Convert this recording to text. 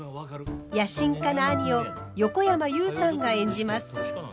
野心家な兄を横山裕さんが演じます。